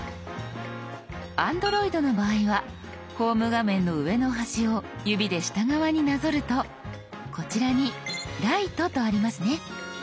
Ａｎｄｒｏｉｄの場合はホーム画面の上の端を指で下側になぞるとこちらに「ライト」とありますね。